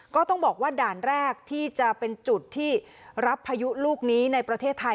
ก็ต้องบอกว่าด่านแรกที่จะเป็นจุดที่รับพายุลูกนี้ในประเทศไทย